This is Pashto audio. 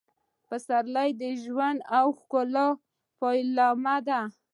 پسرلی د ژوند او ښکلا پیلامه ده.